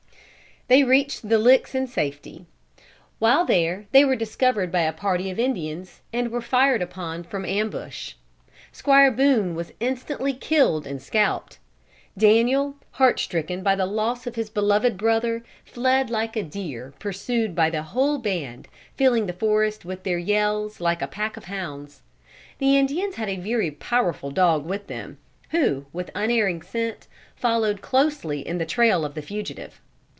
They reached the Licks in safety. While there they were discovered by a party of Indians, and were fired upon from ambush. Squire Boone was instantly killed and scalped. Daniel, heart stricken by the loss of his beloved brother, fled like a deer, pursued by the whole band, filling the forest with their yells like a pack of hounds. The Indians had a very powerful dog with them, who, with unerring scent, followed closely in the trail of the fugitive.